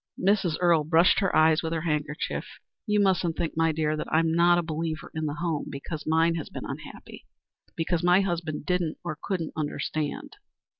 Mrs. Earle brushed her eyes with her handkerchief. "You musn't think, my dear, that I'm not a believer in the home because mine has been unhappy because my husband didn't or couldn't understand.